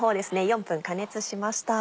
４分加熱しました。